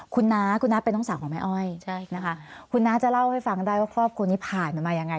คุณน้าคุณน้าเป็นน้องสาวของแม่อ้อยใช่นะคะคุณน้าจะเล่าให้ฟังได้ว่าครอบครัวนี้ผ่านมายังไง